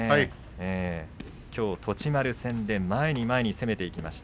きょう栃丸戦で前に前に攻めていきました。